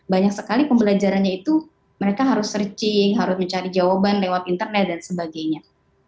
banyak sekali pembelajarannya itu mereka harus searching harus mencari jawaban lewat internet dan sebagainya